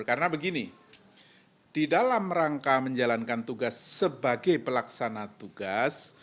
karena begini di dalam rangka menjalankan tugas sebagai pelaksana tugas